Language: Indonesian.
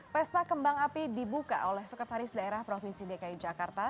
pesta kembang api dibuka oleh sekretaris daerah provinsi dki jakarta